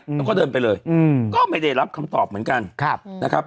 แล้วก็เดินไปเลยก็ไม่ได้รับคำตอบเหมือนกันนะครับ